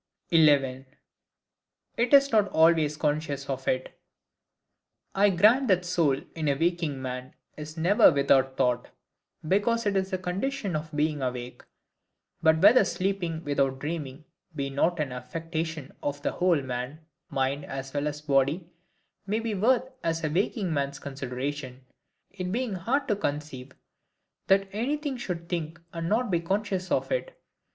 11. It is not always conscious of it. I grant that the soul, in a waking man, is never without thought, because it is the condition of being awake. But whether sleeping without dreaming be not an affection of the whole man, mind as well as body, may be worth a waking man's consideration; it being hard to conceive that anything should think and not be conscious of it.